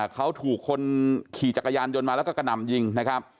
เขาถูกคนขี่จักรยานยนต์มาแล้วก็กระหน่ำยิงนะครับ